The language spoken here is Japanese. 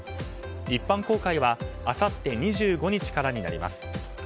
一般公開はあさって２５日からになります。